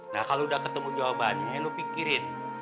nah kalau udah ketemu jawabannya lu pikirin